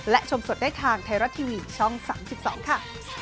และชมสดได้ทางไทยรัฐทีวีช่อง๓๒ค่ะ